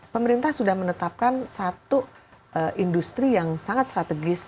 pemerintah sudah menetapkan satu industri yang sangat strategis